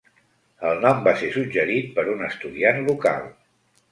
El nom va ser suggerit per un estudiant local.